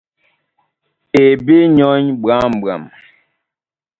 E bí nyɔ̀í ɓwǎmɓwam.